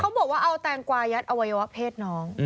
บอกว่าเอาแตงกวายัดอวัยวะเพศน้อง